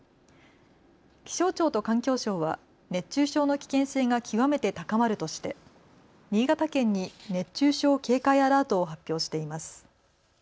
気象庁と環境省は熱中症の危険性が極めて高まるとして新潟県に熱中症警戒アラートを発表しています。